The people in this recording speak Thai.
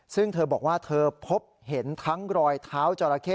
ซึ่งเธอบอกว่าเธอพบเห็นทั้งรอยเท้าจราเข้